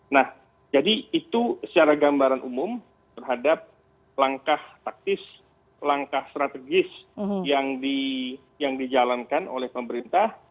nah jadi itu secara gambaran umum terhadap langkah taktis langkah strategis yang dijalankan oleh pemerintah